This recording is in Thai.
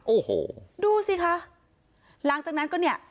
โอ้โหดูสิคะหลังจากนั้นก็เนี่ย